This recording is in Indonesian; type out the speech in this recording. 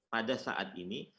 pada saat ini